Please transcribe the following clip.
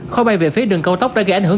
kho bay về phía đường cao tốc đã gây ảnh hưởng